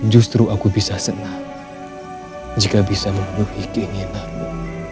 justru aku bisa senang jika bisa memenuhi keinginanmu